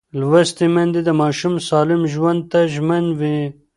لوستې میندې د ماشوم سالم ژوند ته ژمن وي.